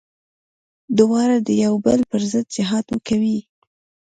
دواړه د يو بل پر ضد جهاد کوي.